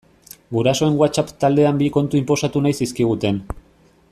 Gurasoen WhatsApp taldean bi kontu inposatu nahi zizkiguten.